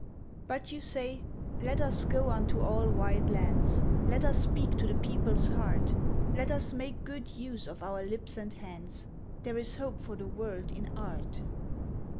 But you say, Let us go unto all wide lands, Let us speak to the people's heart! Let us make good use of our lips and hands, There is hope for the world in art!